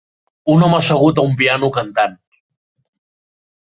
Un home assegut a un piano cantant.